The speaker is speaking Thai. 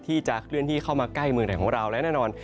ที่จะเคลื่อนที่เข้ามาใกล้เมืองไทยของเราและแน่นอน